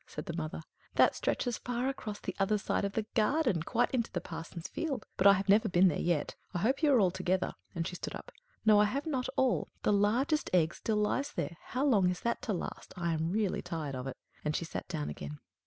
said the mother. "That stretches far across the other side of the garden, quite into the parson's field; but I have never been there yet. I hope you are all together," and she stood up. "No, I have not all. The largest egg still lies there. How long is that to last? I am really tired of it." And she sat down again.